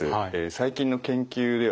最近の研究ではですね